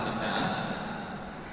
dan pemeriksaan jaringan organ